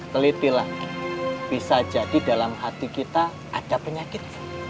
teliti lagi bisa jadi dalam hati kita ada penyakit